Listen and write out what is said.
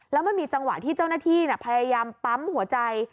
แล้วมันมีจังหวะที่เจ้าหน้าที่พยายามปั๊มหัวใจ